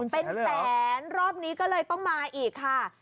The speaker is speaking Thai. เป็นแสนรอบนี้ก็เลยต้องมาอีกค่ะ